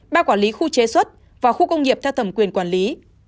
ba quản lý khu chế xuất và khu công nghiệp theo thẩm quyền quản lý